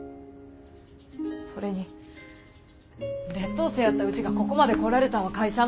それに劣等生やったウチがここまで来られたんは会社のおかげや。